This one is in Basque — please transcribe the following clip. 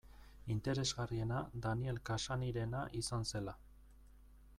Interesgarriena Daniel Cassany-rena izan zela.